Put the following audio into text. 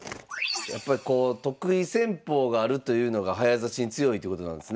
やっぱりこう得意戦法があるというのが早指しに強いってことなんですね。